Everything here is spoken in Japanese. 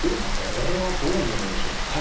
これはどう見ればいいでしょうか。